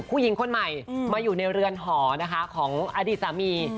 ผู้หญิงคนใหม่มาอยู่ในเรือนหอนะคะของอดีตสามี